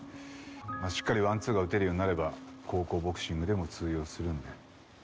まあしっかりワンツーが打てるようになれば高校ボクシングでも通用するんで。